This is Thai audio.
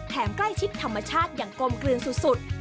ใกล้ชิดธรรมชาติอย่างกลมกลืนสุด